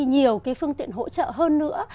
nhiều cái phương tiện hỗ trợ hơn nữa